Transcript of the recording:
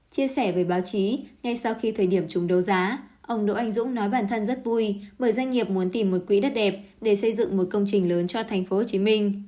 chia sẻ với báo chí ngay sau khi thời điểm chúng đấu giá ông đỗ anh dũng nói bản thân rất vui bởi doanh nghiệp muốn tìm một quỹ đất đẹp để xây dựng một công trình lớn cho tp hcm